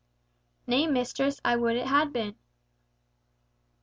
"Nay, mistress, I would it had been."